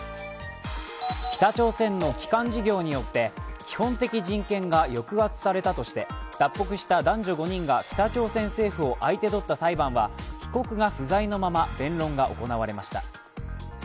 北朝鮮の帰還事業によって基本的人権が抑圧されたとして脱北した男女５人が北朝鮮政府を相手取った裁判は被告が不在のまま弁論が行われました。